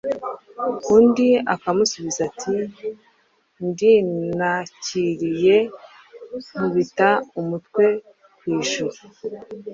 undi akamusubiza ati”Ndinakiriye nkubita umutwe ku ijuru